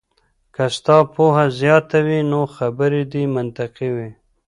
که ستا پوهه زياته وي نو خبري دې منطقي وي.